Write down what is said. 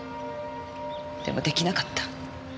でも出来なかった。